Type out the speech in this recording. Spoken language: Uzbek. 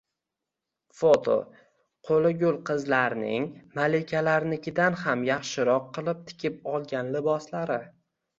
Foto: Qo‘li gul qizlarning malikalarnikidan ham yaxshiroq qilib tikib olgan liboslari